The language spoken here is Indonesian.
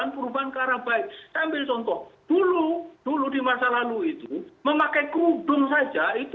ini muka muka mereka sendiri kain kain mereka sendiri